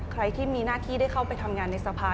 ใครที่มีหน้าที่ได้เข้าไปทำงานในสภา